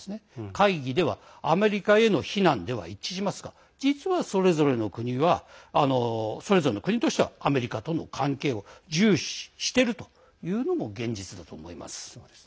会議ではアメリカへの非難では一致しますが実は、それぞれの国としてはアメリカとの関係を重視してるというのも現実だと思います。